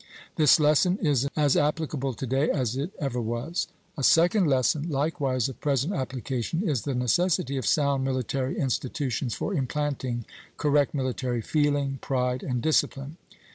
This lesson is as applicable to day as it ever was. A second lesson, likewise of present application, is the necessity of sound military institutions for implanting correct military feeling, pride, and discipline.